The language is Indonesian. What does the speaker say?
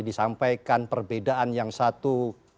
disampaikan perbedaan yang satu